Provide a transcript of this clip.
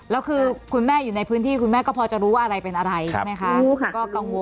แล้วคือคุณแม่อยู่ในพื้นที่คุณแม่ก็พอจะรู้ว่าอะไรเป็นอะไรใช่ไหมคะ